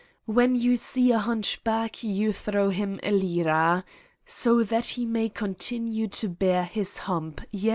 W1 n you see a hunchback you throw him a lire. >So that he may continue to bear his hump, yes?